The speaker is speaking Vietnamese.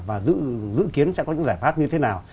và dự kiến sẽ có những giải pháp như thế nào